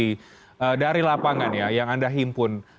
ada informasi dari lapangan yang anda himpun